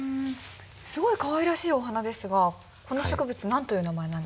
すごいかわいらしいお花ですがこの植物何という名前なんですか？